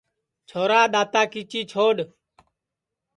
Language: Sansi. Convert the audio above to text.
چھورا دؔاتا کیچی چھوڈؔ